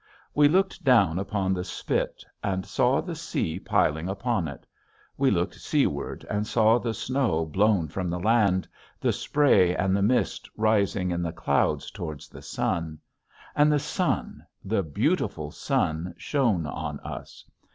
We looked down upon the spit and saw the sea piling upon it; we looked seaward and saw the snow blown from the land, the spray and the mist rising in clouds toward the sun, and the sun, the beautiful sun shone on us.